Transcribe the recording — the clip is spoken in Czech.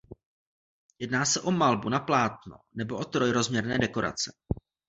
Jedná se o malbu na plátno nebo o trojrozměrné dekorace.